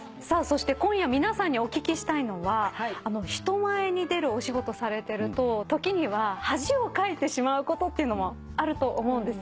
そして今夜皆さんにお聞きしたいのは人前に出るお仕事されてると時には恥をかいてしまうことっていうのもあると思うんですね。